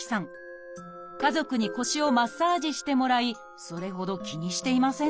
家族に腰をマッサージしてもらいそれほど気にしていませんでした